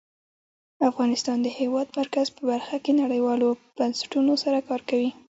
افغانستان د د هېواد مرکز په برخه کې نړیوالو بنسټونو سره کار کوي.